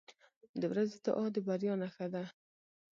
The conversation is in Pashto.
• د ورځې دعا د بریا نښه ده.